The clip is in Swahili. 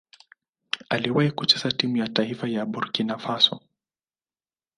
Aliwahi kucheza timu ya taifa ya Burkina Faso.